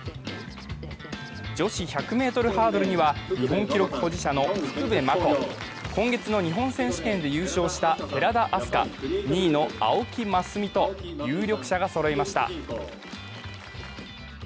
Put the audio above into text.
女子１００ｍハードルには日本記録保持者の福部真子、今月の日本選手権で優勝した寺田明日香、２位の青木益未と有力者がそろいました。